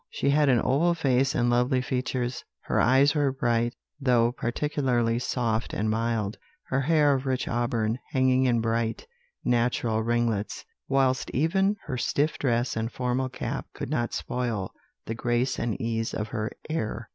She had an oval face and lovely features; her eyes were bright, though particularly soft and mild; her hair of rich auburn, hanging in bright, natural ringlets; whilst even her stiff dress and formal cap could not spoil the grace and ease of her air.